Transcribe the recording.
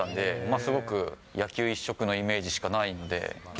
すごく野球一色のイメージしかないんで。